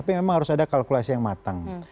pertama itu itu adalah kualitas yang matang